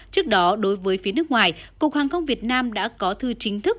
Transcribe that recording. trước đó đối với phía nước ngoài cục hàng không việt nam đã có thư chính thức